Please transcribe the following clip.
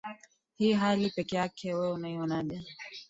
hii hali peke yake we unaionaje